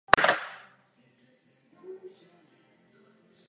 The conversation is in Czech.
Viktorie měla s Karlem Eduardem pět dětí.